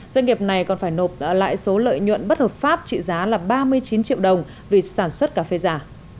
doanh nghiệp này còn phải nộp lại số lợi nhuận bất hợp pháp trị giá là ba mươi chín triệu đồng vì sản xuất cà phê giả